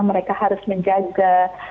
mereka harus menjaga